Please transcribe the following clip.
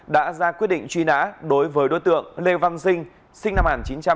đã ra quyết định truy nã đối với đối tượng lê văn dinh sinh năm một nghìn chín trăm tám mươi